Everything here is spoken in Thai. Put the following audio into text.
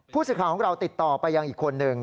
ผู้สื่อข่าวของเราติดต่อไปยังอีกคนนึง